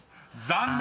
［残念！